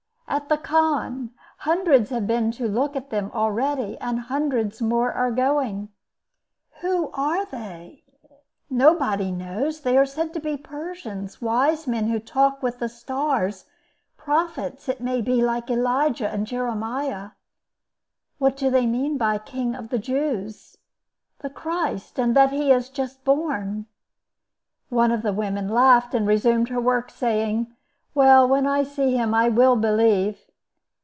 "At the khan. Hundreds have been to look at them already, and hundreds more are going." "Who are they?" "Nobody knows. They are said to be Persians—wise men who talk with the stars—prophets, it may be, like Elijah and Jeremiah." "What do they mean by King of the Jews?" "The Christ, and that he is just born." One of the women laughed, and resumed her work, saying, "Well, when I see him I will believe."